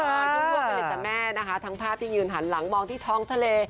ยกไปเลยจ้ะแม่นะคะทั้งภาพที่ยืนหันหลังมองที่ท้องทะเล